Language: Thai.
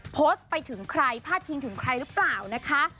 โพสต์ไปถึงใครพาดพิงถึงใครหรือเปล่านะคะ